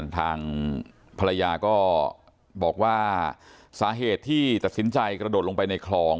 ทางภรรยาก็บอกว่าสาเหตุที่ตัดสินใจกระโดดลงไปในคลอง